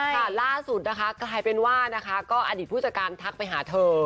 ล่าสุดนะคะกลายเป็นว่านะคะก็อดีตผู้จัดการทักไปหาเธอ